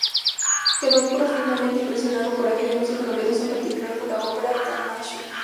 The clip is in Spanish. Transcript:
Quedó profundamente impresionado por aquella música novedosa, en particular por la ópera Tannhäuser.